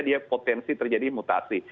dia potensi terjadi mutasi